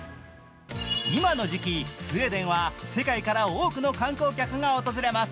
今の時期、スウェーデンは世界から多くの観光客が訪れます。